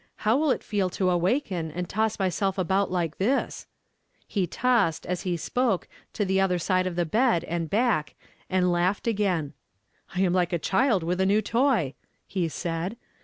How will it feel to awaken and toss myself about like this ?" He tossed, as he spoke, to the other side of the bed, and back, and laug'hed again. "I am like a child with a new toy! " he said.